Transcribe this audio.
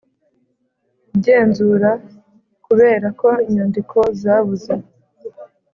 Igenzura Kubera ko inyandiko zabuze